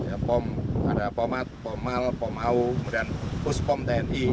ada pomat pomal pomau kemudian puspom tni